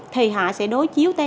thì họ có thể trình rất là nhiều thẻ